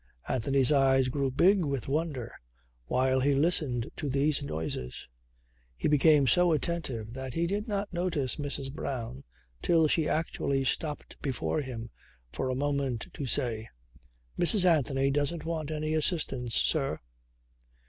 Anthony's eyes grew big with wonder while he listened to these noises. He became so attentive that he did not notice Mrs. Brown till she actually stopped before him for a moment to say: "Mrs. Anthony doesn't want any assistance, sir."